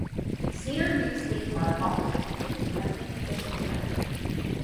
Cedar Creek State Park offers camping, hunting, fishing and hiking.